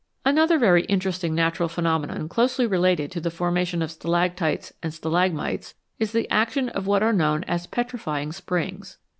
Another very interesting natural phenomenon closely related to the formation of stalactites and stalagmites is the action of what are known as "petrifying springs."